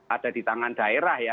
ada di tangan daerah ya